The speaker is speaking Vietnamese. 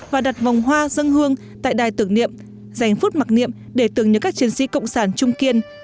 và đặt vòng hoa dân hương tại đài tưởng niệm dành phút mặc niệm để tưởng nhớ các chiến sĩ cộng sản trung kiên